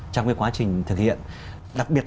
trong cái quá trình thực hiện đặc biệt